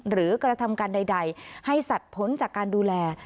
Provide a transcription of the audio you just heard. หรือกระทำการใดให้สัตว์ผลจากการดูแล